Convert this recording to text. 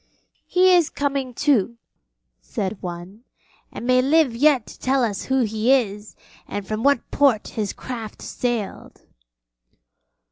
'He is coming to,' said one, 'and may live yet to tell us who he is, and from what port his craft sailed.'